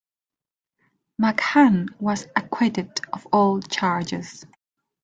McHann was acquitted of all charges.